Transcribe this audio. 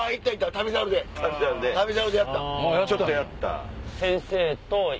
『旅猿』でちょっとやった。